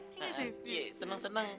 iya sih senang senang ya